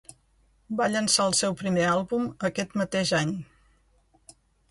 Va llançar el seu primer àlbum aquest mateix any.